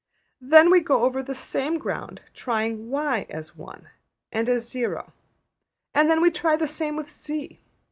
Then we go over the same ground, trying $y$ as 1 and as 0. And then we try the same with $z$.